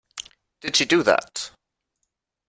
Did she do that?